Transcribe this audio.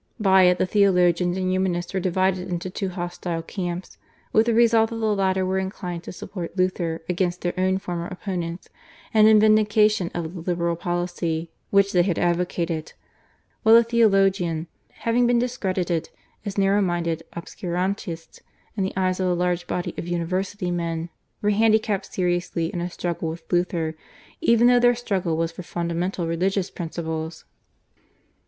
By it the Theologians and Humanists were divided into two hostile camps, with the result that the latter were inclined to support Luther against their own former opponents and in vindication of the liberal policy which they had advocated; while the Theologian, having been discredited as narrow minded obscurantists in the eyes of a large body of university men, were handicapped seriously in a struggle with Luther even though their struggle was for fundamental religious principles.